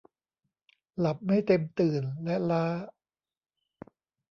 หลับไม่เต็มตื่น และล้า